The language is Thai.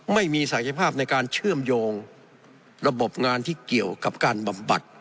ไม่มีศักยภาพในการเชื่อมโยงระบบงานที่เกี่ยวกับการบำบัด